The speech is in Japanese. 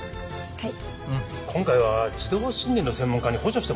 はい。